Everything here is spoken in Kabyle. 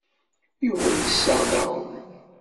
Yuba yessaɣ-d aɣrum.